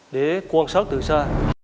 để quan sát từ xa